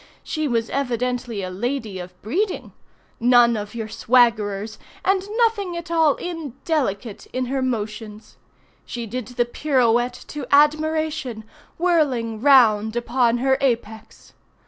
She was evidently a lady of breeding. None of your swaggerers, and nothing at all indelicate in her motions. She did the pirouette to admiration—whirling round upon her apex.